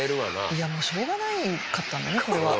いやもうしょうがなかったんだねこれは。